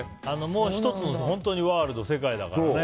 もう１つの本当にワールド、世界だからね。